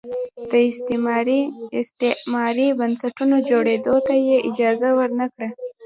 د استثماري استعماري بنسټونو جوړېدو ته یې اجازه ور نه کړه.